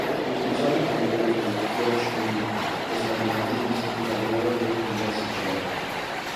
Impulsados por los goles de Jorge Molina, los alicantinos encadenaron nueve jornadas sin perder.